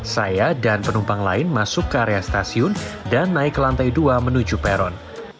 saya dan penumpang lain masuk ke area stasiun dan naik ke lantai dua menuju peron